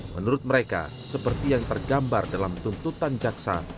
menurut mereka seperti yang tergambar dalam tuntutan jaksa